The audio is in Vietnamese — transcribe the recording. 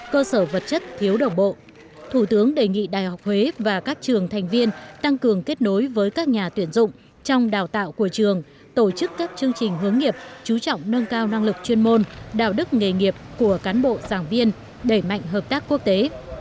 cơ sở vật chất thiếu đồng bộ thủ tướng đề nghị đại học huế và các trường thành viên tăng cường kết nối với các nhà tuyển dụng trong đào tạo của trường tổ chức các chương trình hướng nghiệp chú trọng nâng cao năng lực chuyên môn đạo đức nghề nghiệp của cán bộ giảng viên đẩy mạnh hợp tác quốc tế